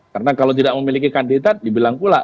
karena kalau tidak memiliki kandidat dibilang pula